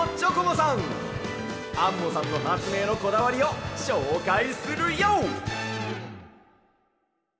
アンモさんのはつめいのこだわりをしょうかいするＹＯ！